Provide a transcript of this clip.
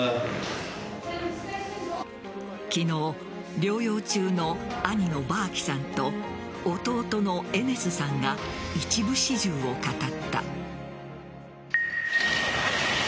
昨日療養中の兄のバーキさんと弟のエネスさんが一部始終を語った。